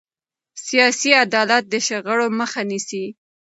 سیاسي عدالت د شخړو مخه نیسي